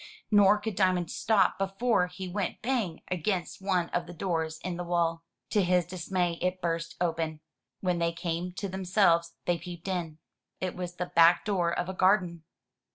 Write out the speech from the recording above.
Nor could Diamond stop before he went bang against one of the doors in the wall. To his dismay it burst open. When they came to themselves they peeped in. It was the back door of a garden.